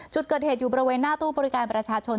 จุดเกิดเหตุอยู่บริเวณหน้าตู้บริการประชาชน